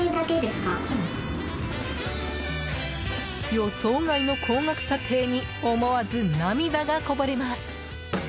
予想外の高額査定に思わず涙がこぼれます。